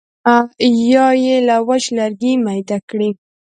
یا یې لکه وچ لرګی میده میده کړي.